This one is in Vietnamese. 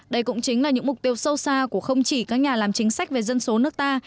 đây cũng chính là những mục tiêu sâu xa của không chỉ các nhà làm chính sách về dân số nước ta